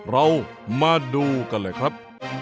เรามาดูกันเลยครับ